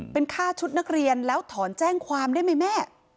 เป็นค่าชุดนักเรียนแล้วถอนแจ้งความได้ไหมแม่